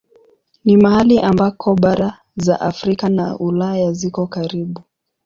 Ni mahali ambako bara za Afrika na Ulaya ziko karibu.